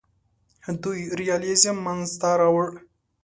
دوی ریالیزم منځ ته راوړ.